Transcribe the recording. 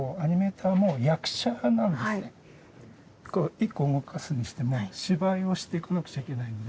一個動かすにしても芝居をしていかなくちゃいけないので。